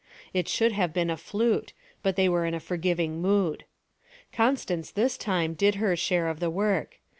It should have been a flute, but they were in a forgiving mood. Constance this time did her share of the work.